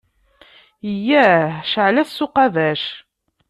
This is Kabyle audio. Eyyah! Ceεl-as s uqabac.